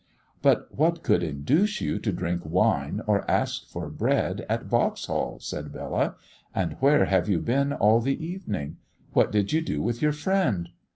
"But what could induce you to drink wine or ask for bread at Vauxhall!" said Bella. "And where have you been all the evening? What did you do with your friend?"